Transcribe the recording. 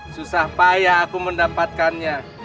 susah payah aku mendapatkannya